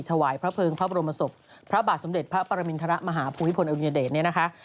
ถวายพระเภิงพระบรมศพพระบาทสมเด็จพระปรมินทรมาฮภูมิพลอดุญเดชเนี่ยนะคะ